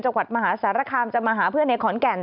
จังหวัดมหาสารคามจะมาหาเพื่อนในขอนแก่น